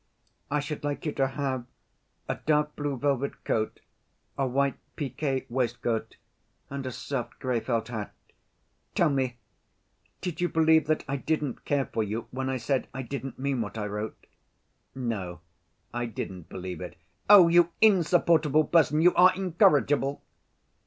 "I should like you to have a dark blue velvet coat, a white piqué waistcoat, and a soft gray felt hat.... Tell me, did you believe that I didn't care for you when I said I didn't mean what I wrote?" "No, I didn't believe it." "Oh, you insupportable person, you are incorrigible."